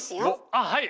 あっはい！